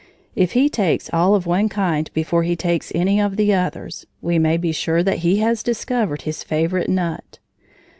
If he takes all of one kind before he takes any of the others, we may be sure that he has discovered his favorite nut.